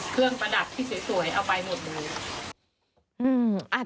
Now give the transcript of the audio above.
เครื่องประดับที่สวยเอาไปหมดเลย